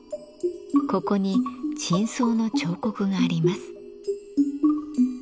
ここに頂相の彫刻があります。